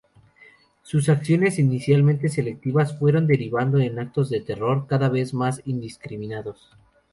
Sus acciones, inicialmente selectivas, fueron derivando en actos de terror cada vez más indiscriminados.